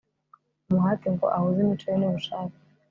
umuhati ngo ahuze imico ye nubushake